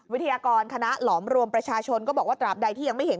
วิทยากรคณะหลอมรวมประชาชนก็บอกว่าตราบใดที่ยังไม่เห็น